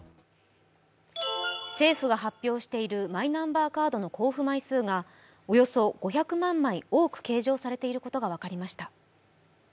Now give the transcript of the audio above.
政府が発表しているマイナンバーカードの交付枚数がおよそ５００万枚多く計上されていることが分かりました。